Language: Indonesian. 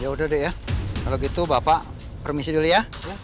ya udah deh ya kalau gitu bapak permisi dulu ya